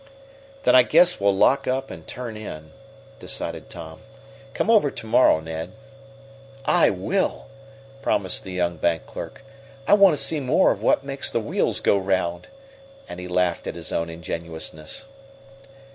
"Then I guess we'll lock up and turn in," decided Tom. "Come over to morrow, Ned." "I will," promised the young bank clerk. "I want to see more of what makes the wheels go round." And he laughed at his own ingenuousness.